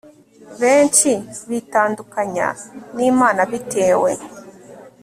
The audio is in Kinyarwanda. Benshi bitandukanya nImana bitewe